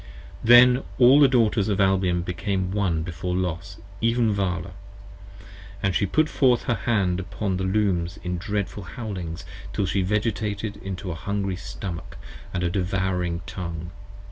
Then All the Daughters of Albion became One before Los: even Vala. And she put forth her hand upon the Looms in dreadful howlings, Till she vegetated into a hungry Stomach & a devouring Tongue.